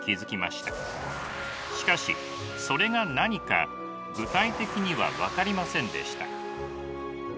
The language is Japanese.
しかしそれが何か具体的には分かりませんでした。